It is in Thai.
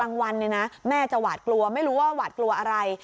วันเนี่ยนะแม่จะหวาดกลัวไม่รู้ว่าหวาดกลัวอะไร